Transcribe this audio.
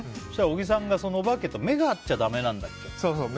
そしたら、小木さんがお化けと目が合っちゃだめなんだっけ。